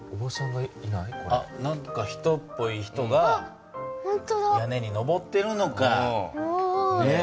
何か人っぽい人が屋根に上っているのかね？